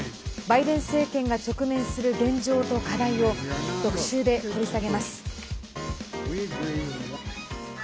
バイデン政権が直面する現状と課題を特集で掘り下げます。